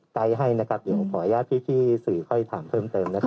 ใกล้ให้นะครับเดี๋ยวขออนุญาตพี่สื่อค่อยถามเพิ่มเติมนะครับ